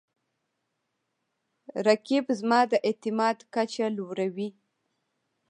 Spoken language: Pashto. رقیب زما د اعتماد کچه لوړوي